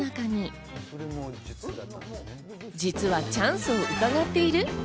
実はチャンスをうかがっている？